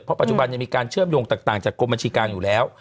เพราะปัจจุบันยังมีการเชื่อมโยงต่างจากกรมบัญชีกลางอยู่แล้ว